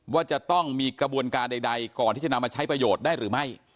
ว่าจะต้องมีกระบวนการใดก่อนที่จะนำมาใช้ประโยชน์ได้หรือไม่